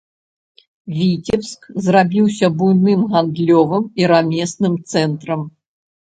Віцебск зрабіўся буйным гандлёвым і рамесным цэнтрам.